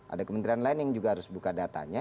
ada kementerian lain yang juga harus buka datanya